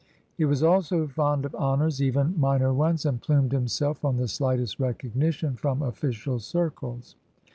He was also fond of honors, even minor ones, and plumed himself on the slightest recogni tion from o£5cial circles.